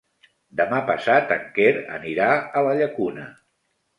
Demà passat en Quer anirà a la Llacuna.